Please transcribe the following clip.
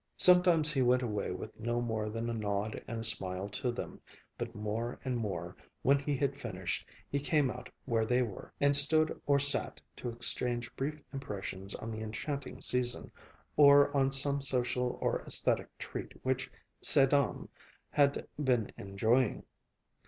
Sometimes he went away with no more than a nod and a smile to them, but more and more, when he had finished, he came out where they were, and stood or sat to exchange brief impressions on the enchanting season, or on some social or aesthetic treat which "ces dames" had been enjoying.